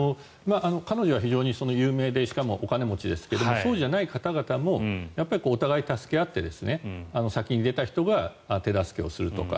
彼女は非常に有名でしかもお金持ちですけどそうじゃない方々もお互い助け合って先に出た人が手助けをするとか。